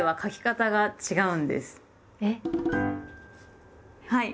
えっ⁉はい。